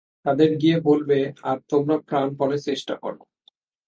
তাঁদের গিয়ে বলবে আর তোমরা প্রাণপণে চেষ্টা কর।